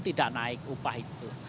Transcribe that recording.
tidak naik upah itu